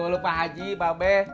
lo pak haji pak be